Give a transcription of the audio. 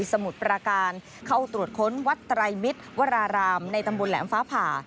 สมุทรประการเข้าตรวจค้นวัดไตรมิตรวรารามในตำบลแหลมฟ้าผ่า